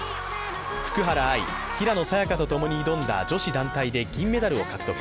福原愛・平野早矢香とともに挑んだ女子団体で銀メダルを獲得。